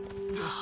あ。